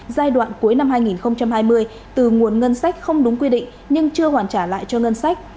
giai đoạn cuối năm hai nghìn hai mươi từ nguồn ngân sách không đúng quy định nhưng chưa hoàn trả lại cho ngân sách